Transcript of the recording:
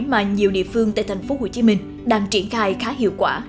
mà nhiều địa phương tại tp hcm đang triển khai khá hiệu quả